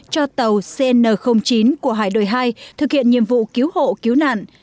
cho tàu cn chín của hải đội hai thực hiện nhiệm vụ cứu hộ cứu nạn